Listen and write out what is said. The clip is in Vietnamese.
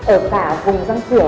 ở cả vùng răng cửa